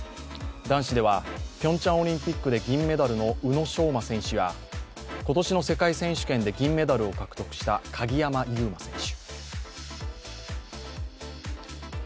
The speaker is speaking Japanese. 男子ではピョンチャンオリンピックで銀メダルの宇野昌磨選手や今年の世界選手権で銀メダルを獲得した鍵山優真選手。